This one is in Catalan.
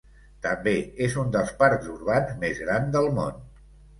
També és un dels parcs urbans més gran del món.